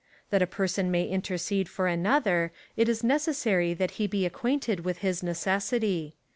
That a person may intercede for another, it is necessary that he be acquainted with his necessity.